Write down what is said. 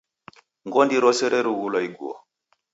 Ngondi rose reghulwa ighuo